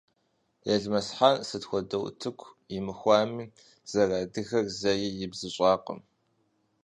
Елмэсхъан сыт хуэдэ утыку имыхуами, зэрыадыгэр зэи ибзыщӏакъым.